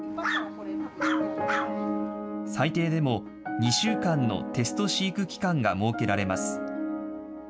最低でも２週間のテスト飼育期間が設けられます。